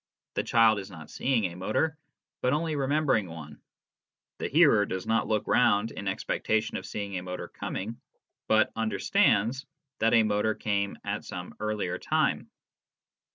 The child is not seeing a motor, but only remembering one ; the hearer does not look round in expectation of seeing a motor coming, but " understands " that a motor came at some earlier time.